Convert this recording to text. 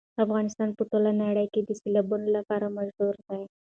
افغانستان په ټوله نړۍ کې د سیلابونو لپاره مشهور دی.